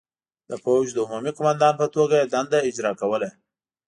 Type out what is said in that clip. د پوځ د عمومي قوماندان په توګه یې دنده اجرا کوله.